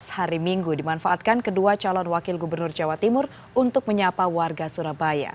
hari minggu dimanfaatkan kedua calon wakil gubernur jawa timur untuk menyapa warga surabaya